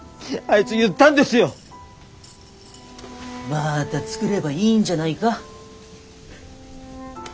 またつくればいいんじゃないか。